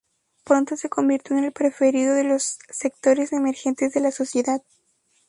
Pronto se convirtió en el preferido de los sectores emergentes de la sociedad.